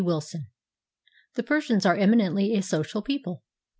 WILSON The Persians are eminently a social people.